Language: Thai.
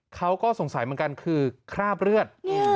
เขาก็สงสัยเหมือนกันคือคราบเลือด